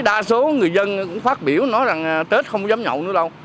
đa số người dân cũng phát biểu nói rằng tết không dám nhậu nữa đâu